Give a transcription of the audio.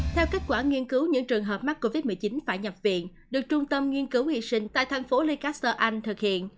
theo kết quả nghiên cứu những trường hợp mắc covid một mươi chín phải nhập viện được trung tâm nghiên cứu y sinh tại thành phố leki anh thực hiện